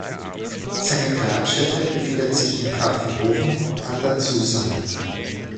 Seine Grabstätte befindet sich in Pfaffenhofen an der Zusam.